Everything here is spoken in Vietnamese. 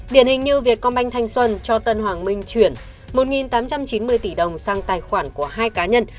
điển hình như việt công banh thanh xuân cho tân hoàng minh chuyển một tám trăm chín mươi tỷ đồng sang tài khoản của hai cá nhân